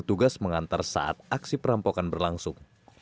petugas mengantar saat aksi perampokan berlangsung